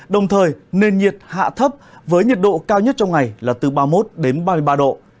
đồng thời nền nhiệt hạ thấp với nhiệt độ cao nhất trong ngày là từ ba mươi một đến ba mươi ba độ